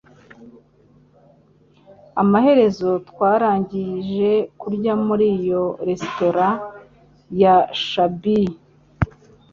Amaherezo, twarangije kurya muri iyo resitora ya shabby.